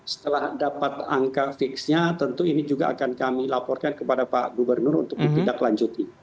setelah dapat angka fixnya tentu ini juga akan kami laporkan kepada pak gubernur untuk ditindaklanjuti